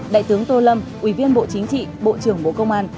đại tướng tô lâm ủy viên bộ chính trị bộ trưởng bộ công an